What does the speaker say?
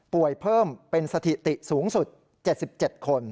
เพิ่มเป็นสถิติสูงสุด๗๗คน